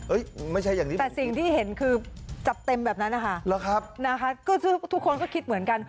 เออแต่สิ่งที่เห็นคือจับเต็มแบบนั้นนะคะนะคะก็ทุกคนก็คิดเหมือนกัน